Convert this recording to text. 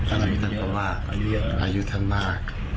อายุท่านก็มากอายุท่านมาก